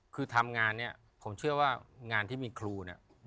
คือทำงานเนี่ยผมเชื่อว่างานที่มีครูเนี่ย